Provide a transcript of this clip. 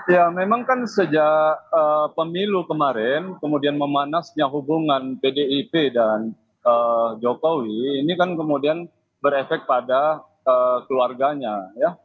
ya memang kan sejak pemilu kemarin kemudian memanasnya hubungan pdip dan jokowi ini kan kemudian berefek pada keluarganya ya